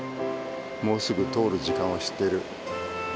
もうすぐ通る時間を知っている。